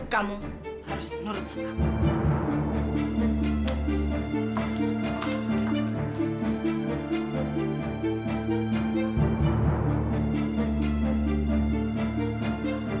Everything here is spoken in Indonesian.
kamu harus menurut saya